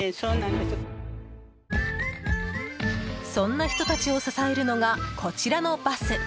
そんな人たちを支えるのがこちらのバス。